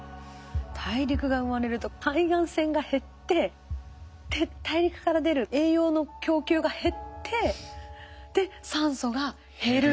大陸が生まれると海岸線が減ってで大陸から出る栄養の供給が減ってで酸素が減る。